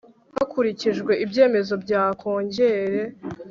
hakurikijwe ibyemezo bya Kongere